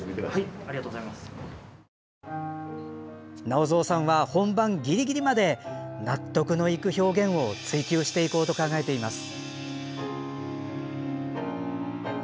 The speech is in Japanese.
直三さんは本番ギリギリまで納得のいく表現を追求していこうと考えています。